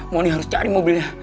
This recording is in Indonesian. mondi harus cari mobilnya